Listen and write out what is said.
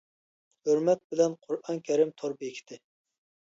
ھۆرمەت بىلەن قۇرئان كەرىم تور بېكىتى!